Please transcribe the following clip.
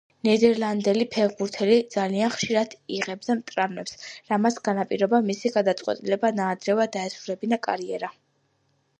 ნიდერლანდელი ფეხბურთელი ძალიან ხშირად იღებდა ტრავმებს, რამაც განაპირობა მისი გადაწყვეტილება ნაადრევად დაესრულებინა კარიერა.